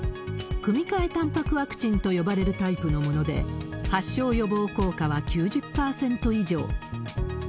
組み換えたんぱくワクチンと呼ばれるタイプのもので、発症予防効果は９０％以上。